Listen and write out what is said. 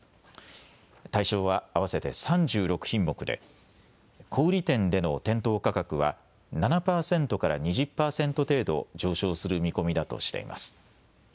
対象は合わせて３６品目で小売店での店頭価格は７％から２０％程度上昇する見込みだとしています。